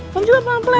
kamu juga pelan pelan